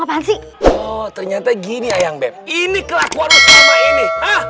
apaan sih oh ternyata gini ayam ini kelakuan sama ini